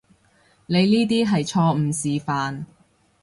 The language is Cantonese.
你呢啲係錯誤示範